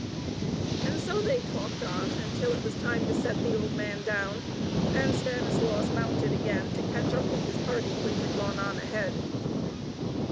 And so they talked on until it was time to set the old man down, and Stanislaus mounted again to catch up with his party, which had gone ahead.